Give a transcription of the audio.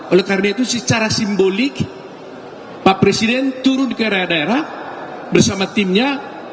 oleh karena itu secara simbolik pak presiden turun ke daerah daerah bersama timnya